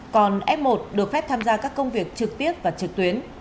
còn f một được phép tham gia các công việc trực tiếp và trực tuyến